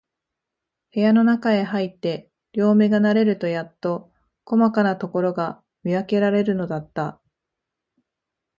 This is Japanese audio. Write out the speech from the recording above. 部屋のなかへ入って、両眼が慣れるとやっと、こまかなところが見わけられるのだった。